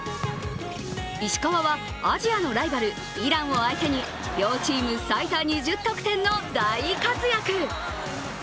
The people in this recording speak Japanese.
石川はアジアのライバル、イランを相手に両チーム最多２０得点の大活躍！